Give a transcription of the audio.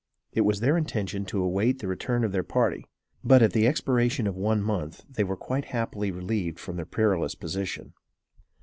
It was their intention to await the return of their party; but, at the expiration of one month, they were quite happily relieved from their perilous position.